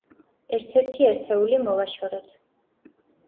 ერთ-ერთი ერთეული მოვაშორეთ.